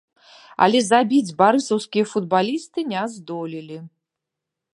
Але забіць барысаўскія футбалісты не здолелі.